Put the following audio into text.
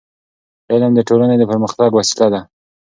علم د ټولنې د پرمختګ وسیله ده.